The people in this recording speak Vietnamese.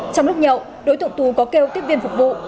trong lúc nhậu đối tượng tù có kêu tiếp viên phục vụ